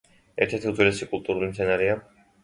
ერთ-ერთი უძველესი კულტურული მცენარეა.